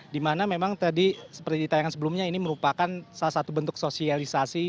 di mana memang tadi seperti ditayangkan sebelumnya ini merupakan salah satu bentuk sosialisasi